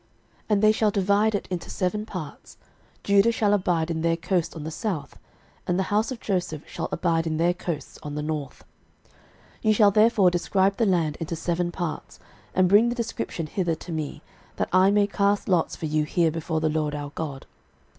06:018:005 And they shall divide it into seven parts: Judah shall abide in their coast on the south, and the house of Joseph shall abide in their coasts on the north. 06:018:006 Ye shall therefore describe the land into seven parts, and bring the description hither to me, that I may cast lots for you here before the LORD our God.